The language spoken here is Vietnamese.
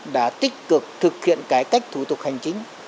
đã tích cực thực hiện cải cách thủ tục hành chính